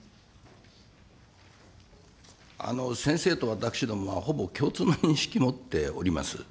先生と私どもはほぼ共通の認識を持っております。